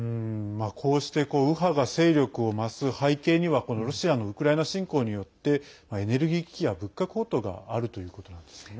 こうして右派が勢力を増す背景にはロシアのウクライナ侵攻によってエネルギー危機や物価高騰があるということなんですね。